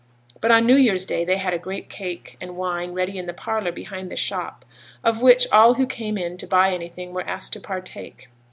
But on New Year's Day they had a great cake, and wine, ready in the parlour behind the shop, of which all who came in to buy anything were asked to partake.